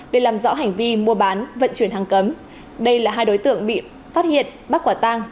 để làm rõ hành vi mua bán vận chuyển hàng cấm đây là hai đối tượng bị phát hiện bắt quả tang